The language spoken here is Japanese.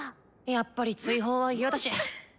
やっぱり追放は嫌だし。